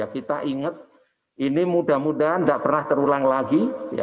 kita ingat ini mudah mudahan tidak pernah terulang lagi